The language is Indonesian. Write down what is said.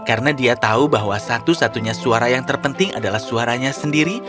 karena dia tahu bahwa satu satunya suara yang terpenting adalah suaranya sendiri